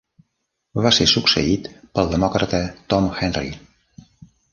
Va ser succeït pel demòcrata Tom Henry.